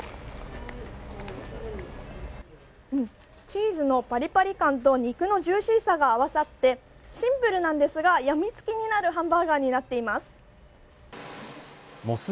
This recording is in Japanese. チーズのぱりぱり感と肉のジューシーさが合わさってシンプルなんですがやみつきになるハンバーガーになっています。